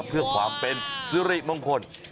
เพื่อความเป็นสิริมงคล